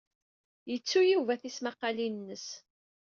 Yettu Yuba tismaqqalin-nnes.